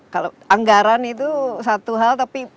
kalau anggaran itu satu hal tapi penggunaan yang terpenting